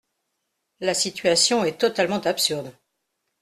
La situation est totalement absurde.